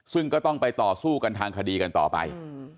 ซึ่งก็ต้องไปต่อสู้กันทางคดีกันต่อไป